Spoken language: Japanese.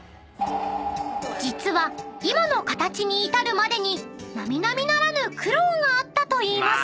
［実は今の形に至るまでに並々ならぬ苦労があったといいます］